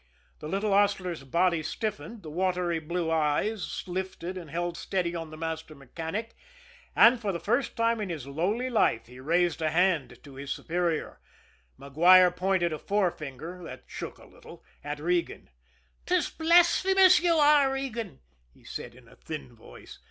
The little hostler's body stiffened, the watery blue eyes lifted and held steadily on the master mechanic, and for the first time in his lowly life he raised a hand to his superior Maguire pointed a forefinger, that shook a little, at Regan. "'Tis blasphymus yez are, Regan!" he said in a thin voice.